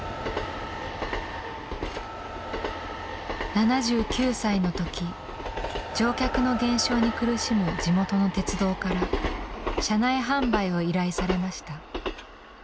７９歳の時乗客の減少に苦しむ地元の鉄道から車内販売を依頼されました。